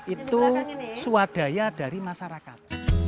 itu swadaya dari masyarakat